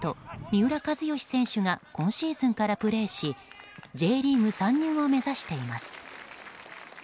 三浦知良選手が今シーズンからプレーしＪリーグ参入を目指しています。